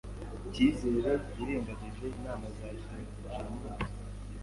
Cyizere yirengagije inama za Jeaninne